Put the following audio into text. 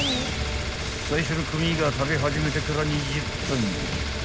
［最初の組が食べ始めてから２０分］